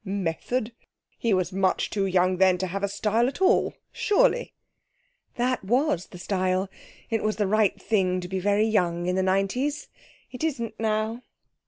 'Method! He was much too young then to have a style at all, surely!' 'That was the style. It was the right thing to be very young in the nineties. It isn't now.'